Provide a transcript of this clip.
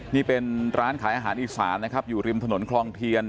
นี่เป็นร้านขายอาหารอีสานนะครับอยู่ริมถนนคลองเทียน